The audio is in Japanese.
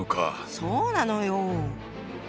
そうなのよ！